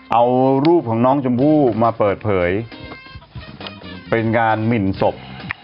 เอารูปของน้องชมพู่มาเปิดเผยเป็นงานหมินศพ